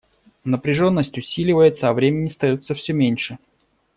Напряженность усиливается, а времени остается все меньше.